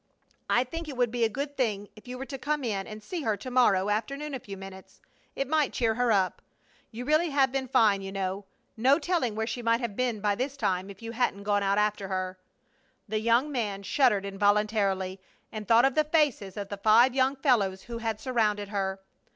I think it would be a good thing if you were to come in and see her to morrow afternoon a few minutes. It might cheer her up. You really have been fine, you know! No telling where she might have been by this time if you hadn't gone out after her!" The young man shuddered involuntarily, and thought of the faces of the five young fellows who had surrounded her.